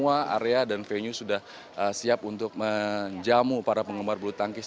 area dan venue sudah siap untuk menjamu para penggemar bulu tangkis